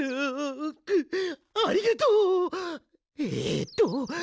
うありがとう！